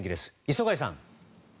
磯貝さん。